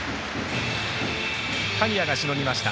鍵谷がしのぎました。